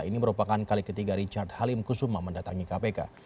ini merupakan kali ketiga richard halim kusuma mendatangi kpk